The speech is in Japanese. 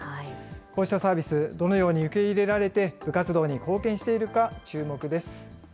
こうしたサービス、どのように受け入れられて、部活動に貢献していけるか注目です。